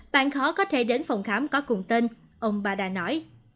bạn khó có thể đến phòng khám có cùng tên ông bada nói